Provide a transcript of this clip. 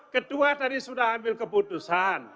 kedua tadi sudah ambil keputusan